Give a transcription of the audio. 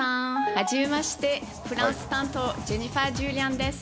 はじめましてフランス担当ジェニファー・ジュリアンです。